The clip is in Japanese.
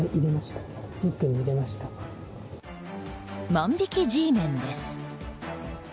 万引きＧメンです。